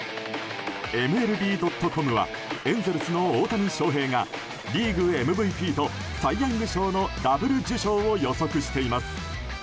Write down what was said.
ＭＬＢ．ｃｏｍはエンゼルスの大谷翔平がリーグＭＶＰとサイ・ヤング賞のダブル受賞を予測しています。